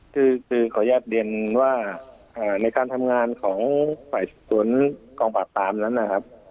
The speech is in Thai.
คือขอแยกเรียนว่าในการทำงานของฝ่ายศูนย์กองปากตามนั้นนะครับ